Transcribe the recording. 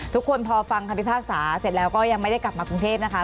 ทุกคนพอฟังคำพิพากษาเสร็จแล้วก็ยังไม่ได้กลับมากรุงเทพนะคะ